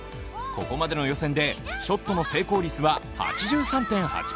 ここまでの予選でショットの成功率は８３．８％。